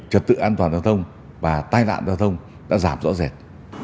trật tự an toàn giao thông và tai nạn giao thông đã giảm rõ rệt